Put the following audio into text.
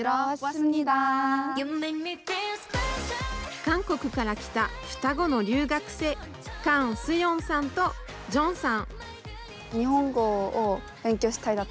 韓国から来た双子の留学生、カン・スヨンさんとジョンさん。